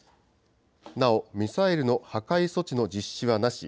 なおミサイルの破壊措置の実施はなし。